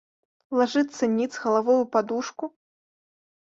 Лажыцца ніц, галавой у падушку.